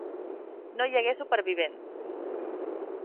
No hi hagué supervivents.